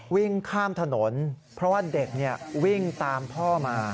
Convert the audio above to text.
วิ่งข้ามถนนเพราะว่าเด็กวิ่งตามพ่อมา